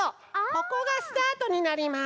ここがスタートになります。